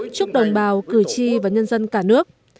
chúc đồng bào cử tri và nhân dân cả nước